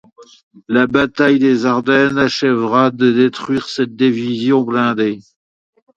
La bataille des Ardennes achèvera de détruire cette division blindée.